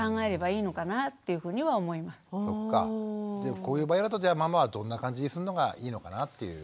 こういう場合だとじゃあママはどんな感じにするのがいいのかなという。